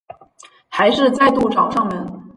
还是再度找上门